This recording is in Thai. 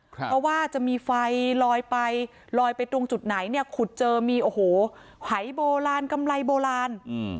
เพราะว่าจะมีไฟลอยไปลอยไปตรงจุดไหนขุดเจอมีไขโบราณกำไรโบราณ